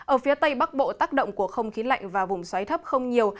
ở phía tây bắc bộ tác động của không khí lạnh và vùng xoáy thấp không nhiều